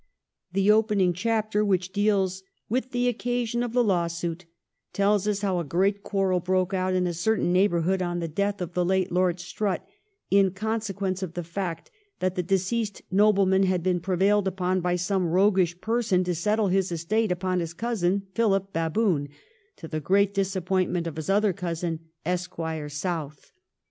The opening chapter, which deals with ' the occasion of the lawsuit,' tells us how a great quarrel broke out in a certain neighbourhood on the death of the late Lord Strutt, in consequence of the fact that the deceased nobleman had been prevailed upon by some roguish person to settle his estate upon his cousin Philip Baboon, to the great dis appointment of his other cousin Esquire South.